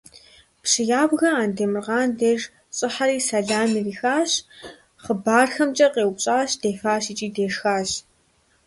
Пщы ябгэ Андемыркъан деж щӀыхьэри сэлам ирихащ хъыбархэмкӀэ къеупщӀащ дефащ икӀи дешхащ.